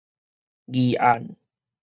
議案